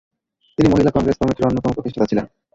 তিনি মহিলা কংগ্রেস কমিটির অন্যতম প্রতিষ্ঠাতা ছিলেন।